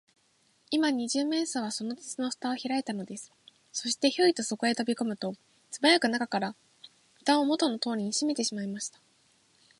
今、二十面相は、その鉄のふたをひらいたのです。そして、ヒョイとそこへとびこむと、すばやく中から、ふたをもとのとおりにしめてしまいました。